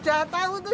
jangan ada kereta